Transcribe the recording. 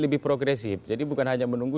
lebih progresif jadi bukan hanya menunggu